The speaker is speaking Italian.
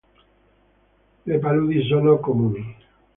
Le paludi sono comuni.